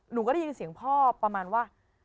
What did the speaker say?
หนูก็ได้ยินเสียงพ่อประมาณว่า